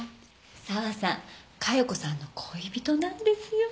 沢さん加代子さんの恋人なんですよ。